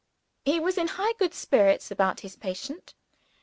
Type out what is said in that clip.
He was in high good spirits about his patient.